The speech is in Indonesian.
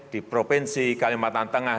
di provinsi kalimantan tengah